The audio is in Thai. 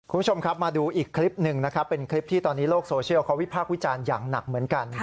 คุณผู้ชมครับมาดูอีกคลิปหนึ่งนะครับเป็นคลิปที่ตอนนี้โลกโซเชียลเขาวิพากษ์วิจารณ์อย่างหนักเหมือนกัน